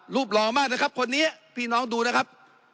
หล่อมากนะครับคนนี้พี่น้องดูนะครับ